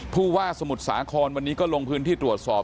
ผู้ว่าสมุทรสาครวันนี้ก็ลงพื้นที่ตรวจสอบ